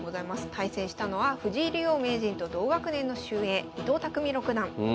対戦したのは藤井竜王・名人と同学年の俊英伊藤匠六段。